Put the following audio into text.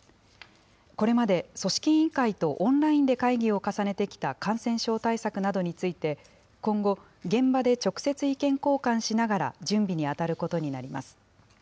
これまで組織委員会とオンラインで会議を重ねてきた感染症対策などについて、今後、現場で直接意見交換しながら準備に当たることになります。